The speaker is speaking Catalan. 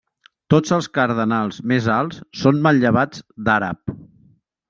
Tots els cardenals més alts són manllevats d'Àrab.